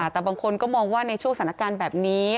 แต่บางคนก็มองว่าในช่วงสถานการณ์แบบนี้